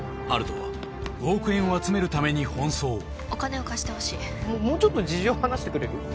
温人は５億円を集めるために奔走お金を貸してほしいもうちょっと事情を話してくれる？